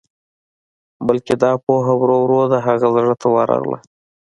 بلکې دا پوهه ورو ورو د هغه زړه ته ورغله.